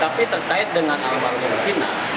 tapi terkait dengan almarhum cina